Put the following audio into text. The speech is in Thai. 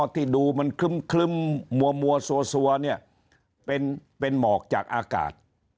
ที่ดูมันคลึมคลึมมัวมัวสัวเนี่ยเป็นเป็นหมอกจากอากาศ